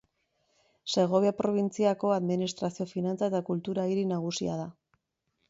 Segovia probintziako administrazio, finantza eta kultura hiri nagusia da.